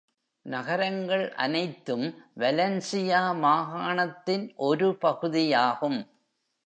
நகரங்கள் அனைத்தும் வலென்சியா மாகாணத்தின் ஒரு பகுதியாகும்.